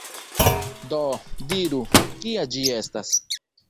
Do, diru, kia ĝi estas?